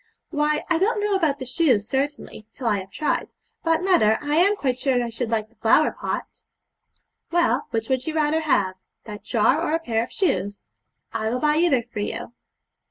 'Why, I don't know about the shoes, certainly, till I have tried; but, mother, I am quite sure that I should like the flower pot.' 'Well, which would you rather have that jar or a pair of shoes? I will buy either for you.'